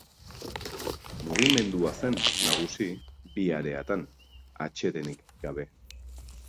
Mugimendua zen nagusi bi areatan, atsedenik gabe.